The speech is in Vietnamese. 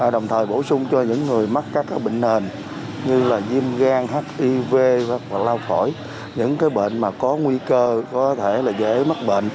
đồng thời bổ sung cho những người mắc các bệnh nền như diêm gan hiv lao khỏi những bệnh có nguy cơ có thể dễ mắc bệnh